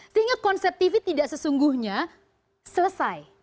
sehingga konsep tv tidak sesungguhnya selesai